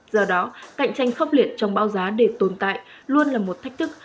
do đó cạnh tranh khốc liệt trong bao giá để tồn tại luôn là một thách thức